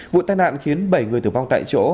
vụ tai nạn khiến bảy người tử vong tại chỗ